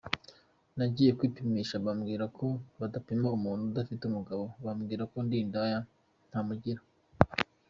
Nagiye kwipimisha, bambwira ko badapima umuntu udafite umugabo, mbabwira ko ndi indaya ntamugira.